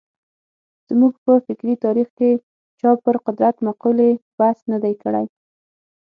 زموږ په فکري تاریخ کې چا پر قدرت مقولې بحث نه دی کړی.